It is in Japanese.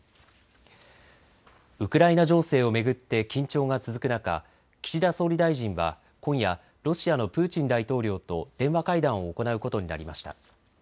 ウクライナ情勢を巡って緊張が続く中、岸田総理大臣は今夜、ロシアのプーチン大統領と電話会談を行うことになりました。